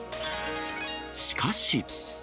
しかし。